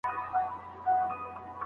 نوي کورونه جوړوي.